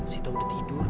sita udah tidur